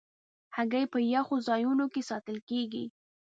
هګۍ په یخو ځایونو کې ساتل کېږي.